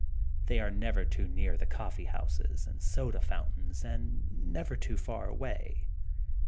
They are never too near the coffee houses and soda fountains and never too far away.